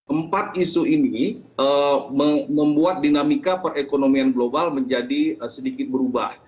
empat isu ini membuat dinamika perekonomian global menjadi sedikit berubah